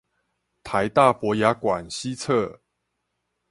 臺大博雅館西側